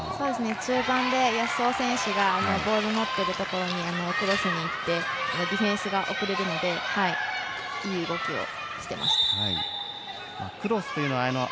中盤で、安尾選手がボールを持っているところにクロスにいってディフェンスが遅れるのでいい動きをしていました。